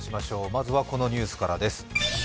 まずはこのニュースからです。